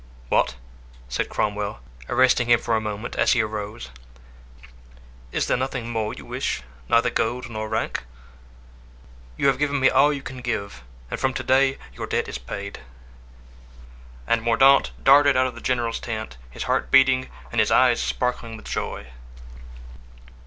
"What!" said Cromwell, arresting him for a moment as he arose; "is there nothing more you wish? neither gold nor rank?" "You have given me all you can give me, and from to day your debt is paid." And Mordaunt darted out of the general's tent, his heart beating and his eyes sparkling with joy.